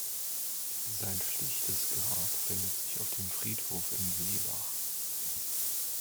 Sein schlichtes Grab findet sich auf dem Friedhof in Seebach.